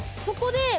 そこで。